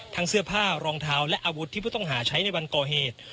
เสื้อผ้ารองเท้าและอาวุธที่ผู้ต้องหาใช้ในวันก่อเหตุ